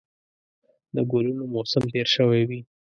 د ګلونو موسم تېر شوی وي